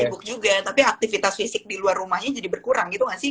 sibuk juga tapi aktivitas fisik di luar rumahnya jadi berkurang gitu gak sih